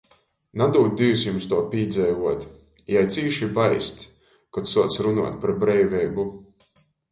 "Nadūd Dīvs jums tuo pīdzeivuot!" Jai cīši baist, kod suoc runuot par breiveibu.